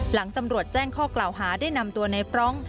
หลังตำรวจแจ้งข้อกล่าวหาได้นำตัวในฟรองก์